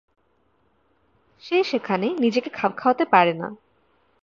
সে সেখানে নিজেকে খাপ খাওয়াতে পারে না।